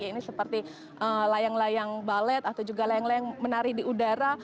ini seperti layang layang balet atau juga layang layang menari di udara